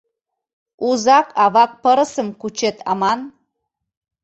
Узак-авак пырысым кучет аман?